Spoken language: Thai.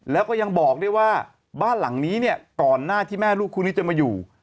แล้วก็ยังบอกด้วยว่าบ้านหลังนี้เนี่ยก่อนหน้าที่แม่ลูกคู่นี้จะมาอยู่